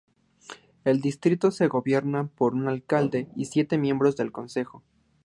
El distrito se gobierna por un alcalde y siete miembros de consejo.